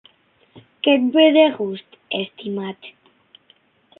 Què et ve de gust, estimat?